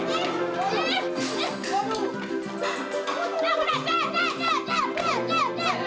woi jangan jangan woi